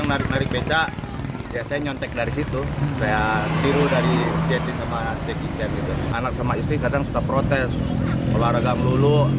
anak sama istri kadang suka protes olahraga melulu